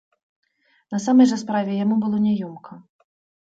На самай жа справе яму было няёмка.